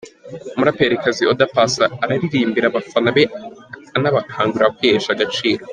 Umuraperikazi Oda Paccy aririmbira abafana be anabakangurira kwihesha agaciro.